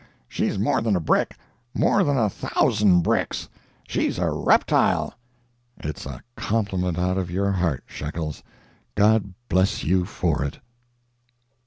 She's more than a brick, more than a thousand bricks—she's a reptile!" "It's a compliment out of your heart, Shekels. God bless you for it!"